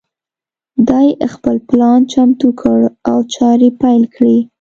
دای خپل پلان چمتو کړ او چارې پیل کړې.